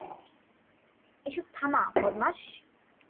এসব থামা, বদমাশ।